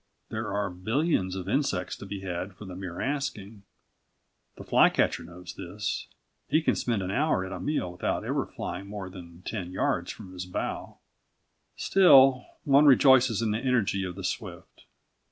There are billions of insects to be had for the mere asking. The fly catcher knows this. He can spend an hour at a meal without ever flying more than ten yards from his bough. Still, one rejoices in the energy of the swift.